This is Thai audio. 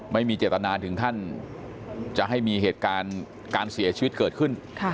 ไม่มีเจตนาถึงขั้นจะให้มีเหตุการณ์การเสียชีวิตเกิดขึ้น